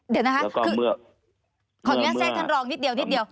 เดี๋ยวนะคะขออนุญาตแทรกท่านลองนิดเดียว